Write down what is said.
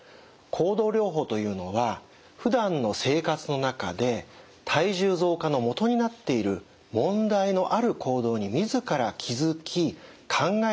行動療法というのはふだんの生活の中で体重増加のもとになっている問題のある行動に自ら気づき考えて修正していく方法なんです。